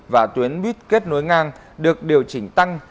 và tuyến buýt kết nối ngang được điều chỉnh tăng